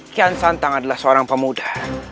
kian santang adalah seorang pemuda